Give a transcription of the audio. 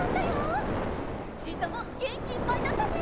ルチータもげんきいっぱいだったね！